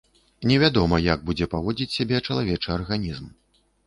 Невядома, як будзе паводзіць сябе чалавечы арганізм.